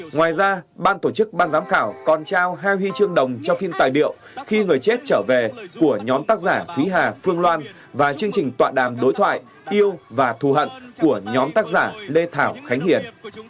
ngoài ra ban tổ chức ban giám khảo còn trao hai huy chương đồng cho phim tài liệu khi người chết trở về của nhóm tác giả thúy hà phương loan và chương trình tọa đàm đối thoại yêu và thu hận của nhóm tác giả lê thảo khánh hiền